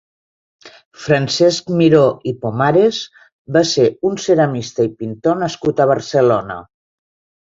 Francesc Miró i Pomares va ser un ceramista i pintor nascut a Barcelona.